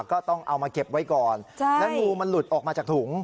ก็ต้องเอามาเก็บไว้ก่อนแล้วงูมันหลุดออกมาจากถุง